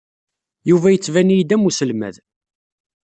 Yuba yettban-iyi-d am uselmad.